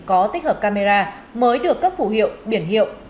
có tích hợp camera mới được cấp phủ hiệu biển hiệu